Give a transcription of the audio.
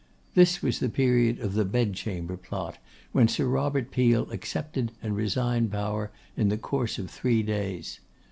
This was the period of the Bed Chamber Plot, when Sir Robert Peel accepted and resigned power in the course of three days.